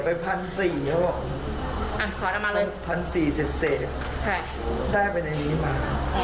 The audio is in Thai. พันสี่เซ่ซพันสี่เสดก็ได้ไปในนี้มา